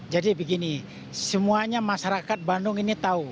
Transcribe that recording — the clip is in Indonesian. jadi begini semuanya masyarakat bandung ini tahu